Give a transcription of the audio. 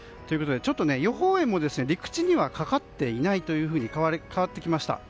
予報円も陸地にかかっていないという図に変わってきました。